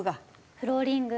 フローリング。